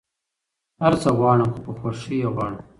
هر څه غواړم خو په خوښی يي غواړم